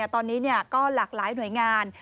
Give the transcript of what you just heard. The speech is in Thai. ตอนนี้ก็หลากหลายหน่วยงาน